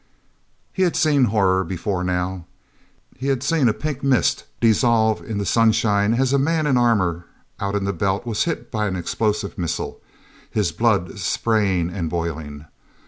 He had seen horror before now. He had seen a pink mist dissolve in the sunshine as a man in armor out in the Belt was hit by an explosive missile, his blood spraying and boiling.